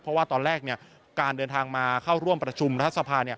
เพราะว่าตอนแรกเนี่ยการเดินทางมาเข้าร่วมประชุมรัฐสภาเนี่ย